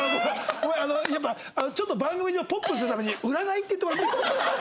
ごめんやっぱちょっと番組上ポップにするために「占い」って言ってもらっていい？